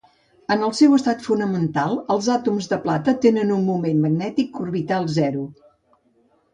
En el seu estat fonamental, els àtoms de plata tenen un moment magnètic orbital zero.